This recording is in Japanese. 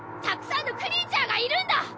たくさんのクリーチャーがいるんだ！